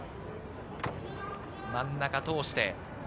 真ん中通して。